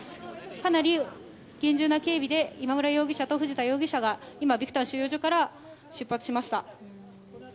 かなり厳重な警備で今村容疑者と藤田容疑者がビクタン収容所から出発しました。